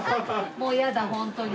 もう嫌だホントに。